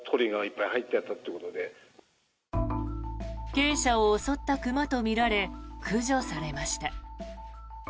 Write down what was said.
鶏舎を襲った熊とみられ駆除されました。